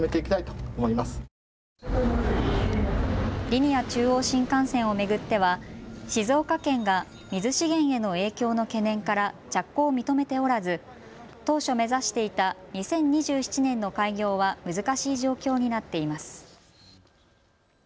リニア中央新幹線を巡っては静岡県が水資源への影響の懸念から着工を認めておらず当初、目指していた２０２７年の開業は難しい状況になっています。